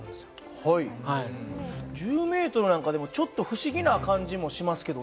１０ｍなんかでもちょっと不思議な感じもしますけどね。